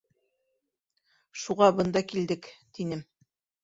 Шуға бында килдек, -тинем.